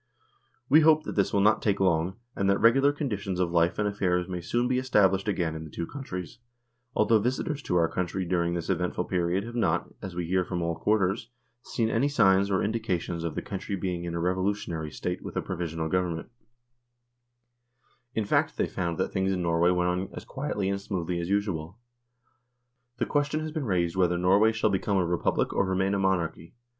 We hope that this will not take long, and that regular conditions of life and affairs may soon be established again in the two countries, although visitors to our country during this eventful period have not, as we hear from all quarters, seen any signs or indications of the country being in a "revolutionary" state with a provisional Government ; in fact, they found that 154 NORWAY AND THE UNION WITH SWEDEN things in Norway went on as quietly and smoothly as usual. The question has been raised whether Norway shall become a Republic or remain a Monarchy.